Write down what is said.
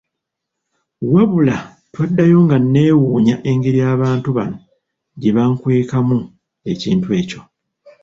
Wabula twaddayo nga neewuunya engeri abantu bano gye bankwekamu ekintu ekyo.